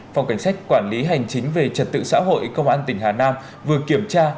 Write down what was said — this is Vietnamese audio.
phòng cảnh sát quản lý hành chính về trật tự xã hội công an tỉnh hà nam vừa kiểm tra